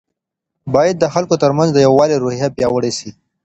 باید د خلګو ترمنځ د یووالي روحیه پیاوړې سي.